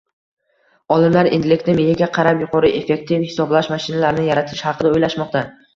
Olimlar endilikda miyaga «qarab» yuqori effektiv hisoblash mashinalarini yaratish haqida o‘ylashmoqda.